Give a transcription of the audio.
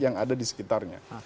yang ada di sekitarnya